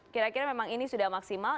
kira kira memang ini sudah maksimal